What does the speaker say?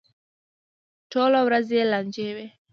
ټوله ورځ یې لانجې وي.